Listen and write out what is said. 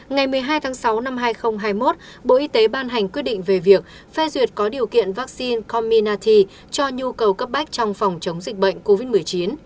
ngày một mươi hai tháng sáu năm hai nghìn hai mươi một bộ y tế ban hành quyết định về việc phê duyệt có điều kiện vaccine cominati cho nhu cầu cấp bách trong phòng chống dịch bệnh covid một mươi chín